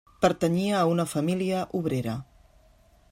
Pertanyia a una família obrera.